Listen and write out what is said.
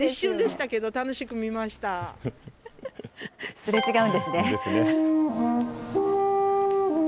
すれ違うんですね。